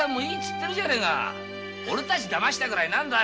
オレたちだましたぐらい何だよ！